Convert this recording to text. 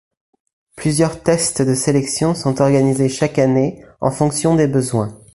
Plusieurs tests de sélection sont organisés chaque année, en fonction des besoins.